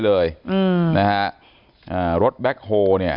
ที่มีข่าวเรื่องน้องหายตัว